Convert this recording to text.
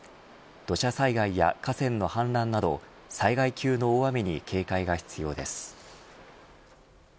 土砂災害や河川の氾濫など災害級の大雨に警戒が必要です。